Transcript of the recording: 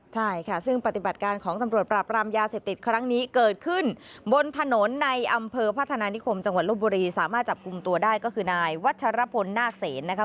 ใช่ค่ะซึ่งปฏิบัติการของตำรวจปราบรามยาเสพติดครั้งนี้เกิดขึ้นบนถนนในอำเภอพัฒนานิคมจังหวัดลบบุรีสามารถจับกลุ่มตัวได้ก็คือนายวัชรพลนาคเสนนะคะ